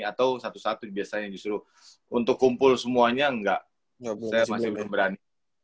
atau satu satu biasanya justru untuk kumpul semuanya enggak saya masih belum berani